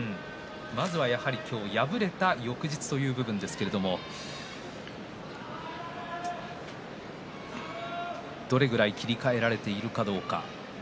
まずは今日、敗れた翌日という部分ですけれどもどれぐらい切り替えられているかどうか。